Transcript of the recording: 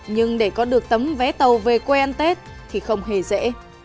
nhưng để có được tấm vé tàu về quê ăn tết thì không hề dễ